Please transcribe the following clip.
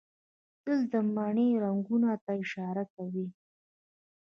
تله د مني رنګونو ته اشاره کوي.